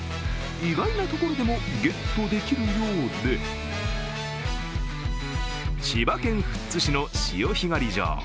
意外なところでもゲットできるようで千葉県富津市の潮干狩り場。